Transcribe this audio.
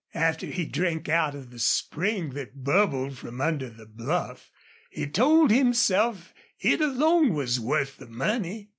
After he drank out of the spring that bubbled from under the bluff he told himself it alone was worth the money.